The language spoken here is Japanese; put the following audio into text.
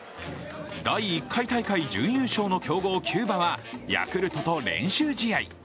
第１回大会準優勝の強豪・キューバはヤクルトと練習試合。